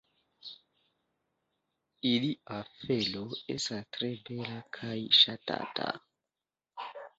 Ilia felo estas tre bela kaj ŝatata.